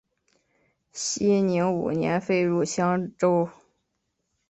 熙宁五年废入襄州。